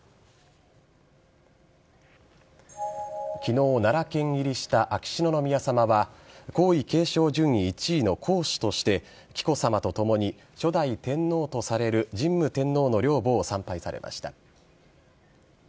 昨日奈良県入りした秋篠宮さまは皇位継承順位１位の皇嗣として紀子さまとともに初代天皇とされる神武天皇の陵墓を参拝されました。